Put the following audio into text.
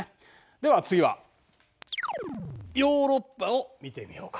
では次はヨーロッパを見てみようか。